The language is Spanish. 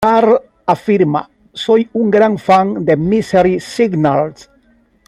Karl afirma: "Soy un gran fan de Misery Signals.